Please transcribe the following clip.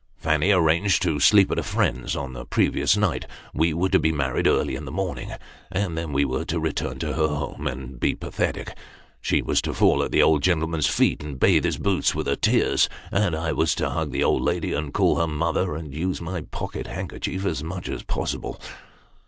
Fanny arranged to sleep at a friend's, on the previous night ; we were to be married early in the morn ing ; and then we were to return to her home and be pathetic. She was to fall at the old gentleman's feet, and bathe his boots with her tears ; and I was to hug the old lady and call her ' mother,' and use my pocket handkerchief as much as possible.